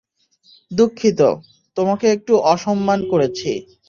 দুঃখিত, তোমাকে একটু অসম্মান করেছি।